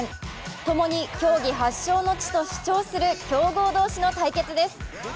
共に競技発祥の地と主張する強豪同士の対決です。